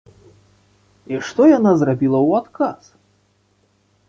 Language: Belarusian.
І што яна зрабіла ў адказ?